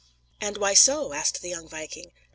"And why so?" asked the young viking.